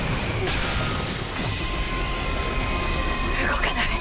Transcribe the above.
動かない。